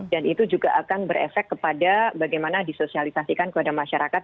dan itu juga akan berefek kepada bagaimana disosialisasikan kepada masyarakat